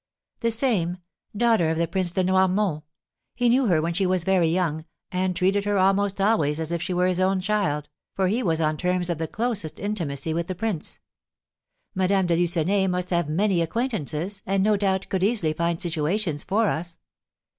"The same, daughter of the Prince de Noirmont. He knew her when she was very young, and treated her almost always as if she were his own child, for he was on terms of the closest intimacy with the prince. Madame de Lucenay must have many acquaintances, and, no doubt, could easily find situations for us."